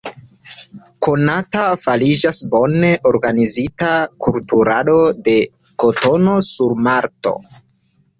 Konata fariĝas bone organizita kulturado de kotono sur Malto.